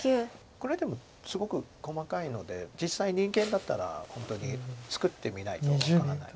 これでもすごく細かいので実際人間だったら本当に作ってみないと分からない。